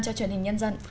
cho truyền hình nhân dân